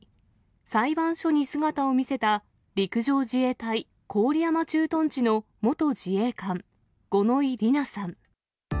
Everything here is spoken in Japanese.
裁判所に姿を見せた、陸上自衛隊郡山駐屯地の元自衛官、五ノ井里奈さん。